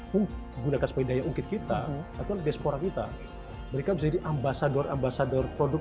menggunakan spedaya unggit kita atau diaspora kita mereka jadi ambasador ambasador produk